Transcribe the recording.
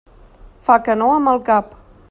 Fa que no amb el cap.